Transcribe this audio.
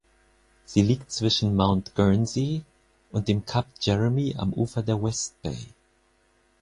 Sie liegt zwischen Mount Guernsey und dem Kap Jeremy am Ufer der West Bay.